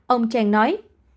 ông chang nói